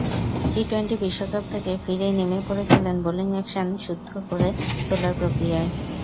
T twenty বিশ্বকাপ থেকে ফিরেই নেমে পড়েছিলেন বোলিং অ্যাকশন শুদ্ধ করে তোলার প্রক্রিয়ায়।